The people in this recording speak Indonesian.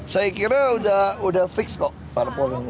saya kira sudah fix kok parpol ini